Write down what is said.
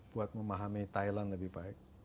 buat memahami thailand lebih baik